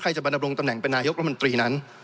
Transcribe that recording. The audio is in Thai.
ใครจะบันดับลงตำแหน่งเป็นนายกรมนตรีนั้น